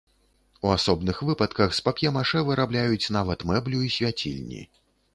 У асобных выпадках з пап'е-машэ вырабляюць нават мэблю і свяцільні.